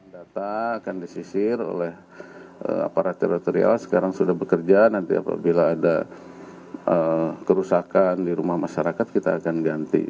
data akan disisir oleh aparat teritorial sekarang sudah bekerja nanti apabila ada kerusakan di rumah masyarakat kita akan ganti